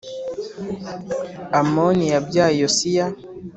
Amoni yabyaye Yosiya,